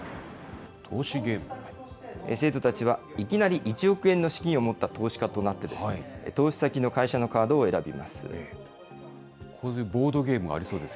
生徒たちは、いきなり１億円の資金を持った投資家となって、投資先の会社のカードを選びます。